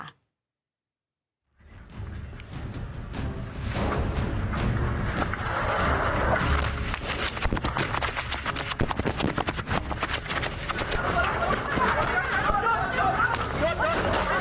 ไป